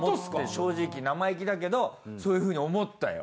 正直生意気だけどそういうふうに思ったよ。